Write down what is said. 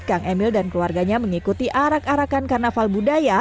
kang emil dan keluarganya mengikuti arak arakan karnaval budaya